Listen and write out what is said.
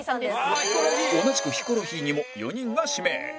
同じくヒコロヒーにも４人が指名